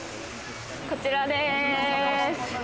こちらです。